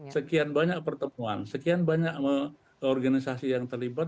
sekian banyak pertemuan sekian banyak organisasi yang terlibat